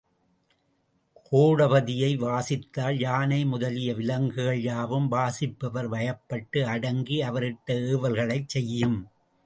கோடபதியை வாசித்தால் யானை முதலிய விலங்குகள் யாவும் வாசிப்பவர் வயப்பட்டு அடங்கி, அவரிட்ட ஏவல்களைச் செய்யும்.